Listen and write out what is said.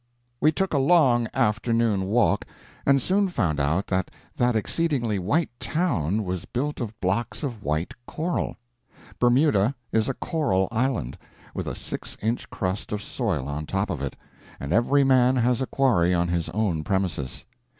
We took a long afternoon walk, and soon found out that that exceedingly white town was built of blocks of white coral. Bermuda is a coral island, with a six inch crust of soil on top of it, and every man has a quarry on his own premises.